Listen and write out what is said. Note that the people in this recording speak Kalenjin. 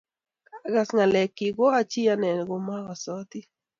ka agas ng'alekchich, ako ochi ane ko mokusoti